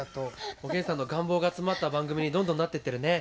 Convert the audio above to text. おげんさんの願望が詰まった番組にどんどんなってってるね。